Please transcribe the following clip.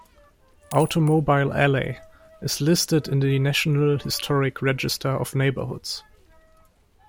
Automobile Alley is listed in the National Historic Register of neighborhoods.